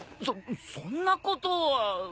そそんなことは。